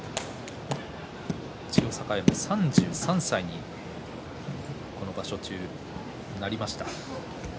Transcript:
千代栄も、３３歳にこの場所中になりました。